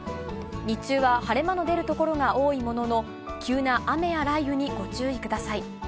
日中は晴れ間の出る所が多いものの、急な雨や雷雨にご注意ください。